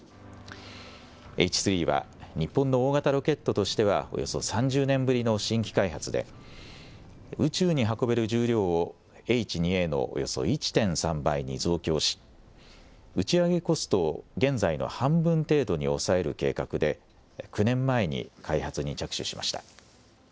Ｈ３は、日本の大型ロケットとしては、およそ３０年ぶりの新規開発で、宇宙に運べる重量をＨ２Ａのおよそ１．３倍に増強し、打ち上げコストを現在の半分程度に抑える計画で、９年前に開発に着手しました。